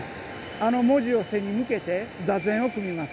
あの文字を背に向けて座禅を組みます。